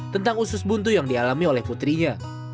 tentang usus buntu yang dialami oleh putrinya